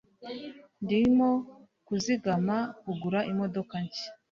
ndimo kuzigama kugura imodoka nshya